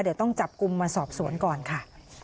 เดี๋ยวต้องจับกลุ่มมาสอบสวนก่อนค่ะ